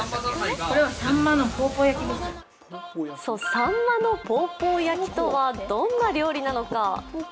さんまのポーポー焼きとはどんな料理なのか。